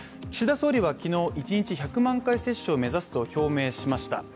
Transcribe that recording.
岸田総理は昨日、一日１００万回接種を目指すと表明しました。